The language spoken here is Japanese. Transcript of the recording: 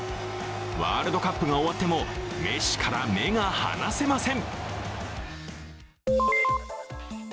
ワールドカップが終わってもメッシから目が離せません。